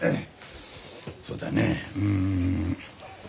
そうだねうん。